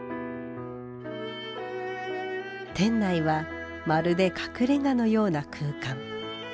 店内はまるで隠れがのような空間。